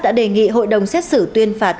đã đề nghị hội đồng xét xử tuyên phạt